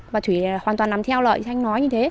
bà thủy hoàn toàn nằm theo lợi thanh nói như thế